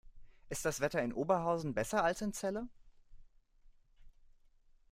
Ist das Wetter in Oberhausen besser als in Celle?